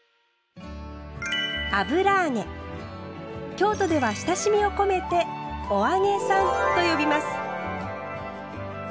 京都では親しみを込めて「お揚げさん」と呼びます。